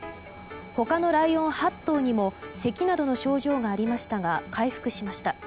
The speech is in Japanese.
他のライオン８頭にもせきなどの症状がありましたが回復しました。